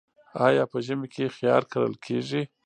آیا په ژمي کې خیار کرل کیږي؟